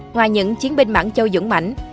ngoài những chiến binh mạng châu dũng mảnh